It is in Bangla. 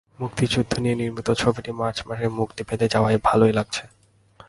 মুক্তিযুদ্ধ নিয়ে নির্মিত ছবিটি মার্চ মাসে মুক্তি পেতে যাওয়ায় ভালোই লাগছে।